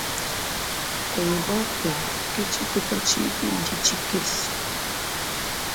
Europe ke tshitupa tshibidi tshikese.